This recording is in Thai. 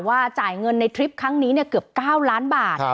จ่ายเงินในทริปครั้งนี้เกือบ๙ล้านบาท